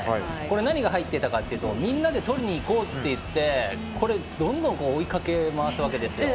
何が入ってたかというとみんなでとりにいこうってこれ、どんどん追い掛け回すわけです。